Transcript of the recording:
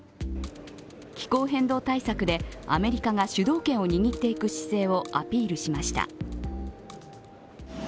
気候変動対策でアメリカが主導権を握っていく姿勢をアピールしました。